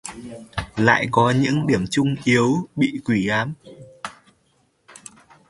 lại có những điểm chung yếu bị quỷ ám